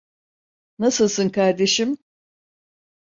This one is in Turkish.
Nasılsın kardeşim?